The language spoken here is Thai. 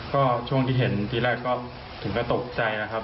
ก็ช่วงที่เห็นทีแรกก็ถึงก็ตกใจนะครับ